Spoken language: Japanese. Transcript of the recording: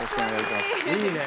いいね！